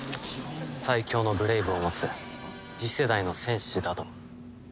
最強のブレイブを持つ次世代の戦士だと。